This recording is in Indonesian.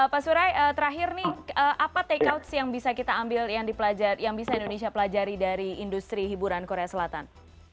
pak surai terakhir nih apa take out yang bisa kita ambil yang bisa indonesia pelajari dari industri hiburan korea selatan